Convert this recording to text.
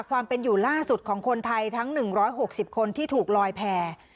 ความเป็นอยู่ล่าสุดของคนไทยทั้ง๑๖๐คนที่ถูกลอยแพร่